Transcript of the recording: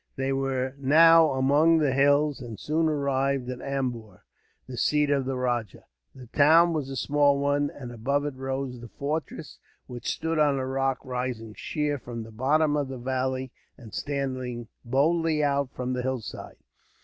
They were now among the hills, and soon arrived at Ambur, the seat of the rajah. The town was a small one, and above it rose the fortress, which stood on a rock rising sheer from the bottom of the valley, and standing boldly out from the hillside.